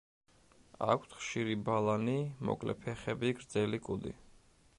აქვთ ხშირი ბალანი, მოკლე ფეხები, გრძელი კუდი.